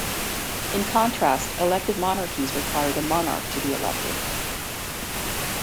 In contrast, elective monarchies require the monarch to be elected.